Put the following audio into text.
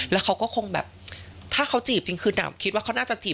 แล้วเขาก็คงแบบถ้าเขาจีบจริงคือดำคิดว่าเขาน่าจะจีบ